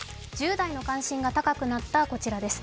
１０代の関心が高くなったこちらです。